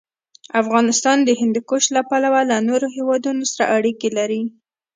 افغانستان د هندوکش له پلوه له نورو هېوادونو سره اړیکې لري.